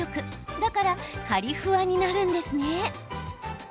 だからカリふわになるんですね。